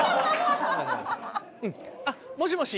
あっもしもし？